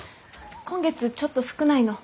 今月ちょっと少ないの。